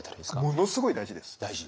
ものすごい大事です。